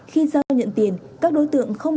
khi giao nhận tiền các đối tượng không